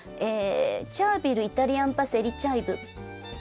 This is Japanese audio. チャービルイタリアンパセリチャイブ。